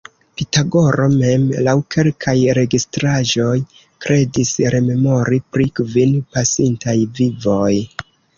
Pitagoro mem, laŭ kelkaj registraĵoj, kredis rememori pri kvin pasintaj vivoj.